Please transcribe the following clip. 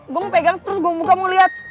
gue mau pegang terus gue mau buka mau liat